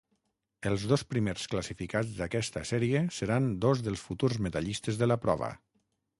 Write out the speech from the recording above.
Els dos primers classificats d'aquesta sèrie seran dos dels futurs medallistes de la prova.